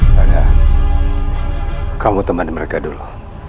rada kamu temani mereka dulu